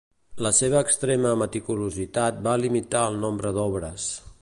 La seva extrema meticulositat va limitar el nombre d'obres.